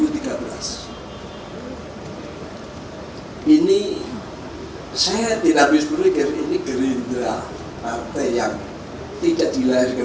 tahun dua ribu tiga belas ini saya tidak bisa berpikir ini gerindra partai yang tidak dilahirkan